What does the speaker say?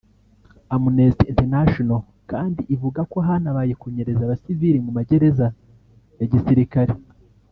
Amnesty International kandi ivuga ko hanabaye kunyereza abasivili mu magereza ya gisirikare